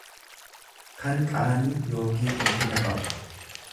kan qaanii yookiin ulfina qabu.